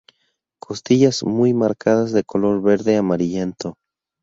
Costillas muy marcadas de color verde amarillento.